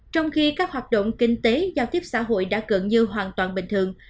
trong khi các hoạt động kinh tế giao tiếp xã hội đã gần như hoàn toàn bình thường